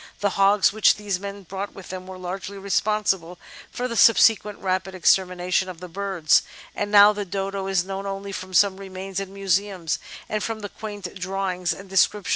The hogs which these men brought with them were largely responsible for the subsequent rapid extermination of the birds, and now the Dodo is known only from some remains in museums and from the quaint drawings and descriptions of the early voyagers.